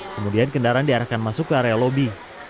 kemudian kendaraan diarahkan masuk ke area lobi